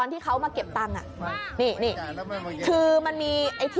อุ๊ยไม่ไหวเลยพี่แบบนี้หนูกลัว